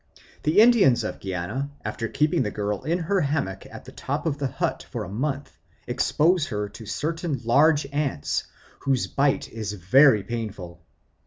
Other Indians of Guiana, after keeping the girl in her hammock at the top of the hut for a month, expose her to certain large ants, whose bite is very painful.